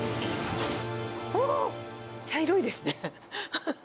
おー、茶色いですね。